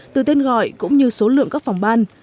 từ tên gọi cũng như số lượng các phòng ban